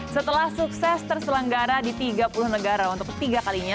setelah sukses terselenggara di tiga puluh negara untuk ketiga kalinya